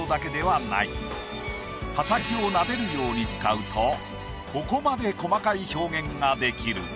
刃先をなでるように使うとここまで細かい表現ができる。